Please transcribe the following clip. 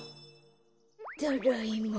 ただいま。